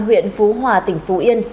huyện phú hòa tỉnh phú yên